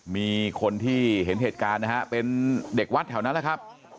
มีคนที่เห็นเหตุการณ์นะฮะเป็นเด็กวัดแถวนั้นแหละครับ